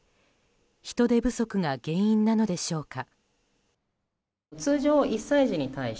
人手不足が原因なのでしょうか。